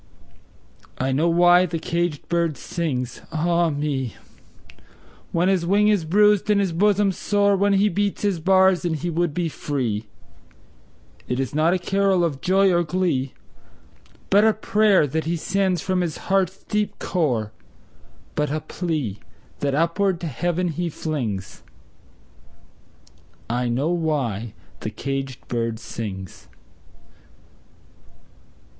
I know why the caged bird sings, ah me, When his wing is bruised and his bosom sore, When he beats his bars and he would be free; It is not a carol of joy or glee, But a prayer that he sends from his heart's deep core, But a plea, that upward to Heaven he flings I know why the caged bird sings!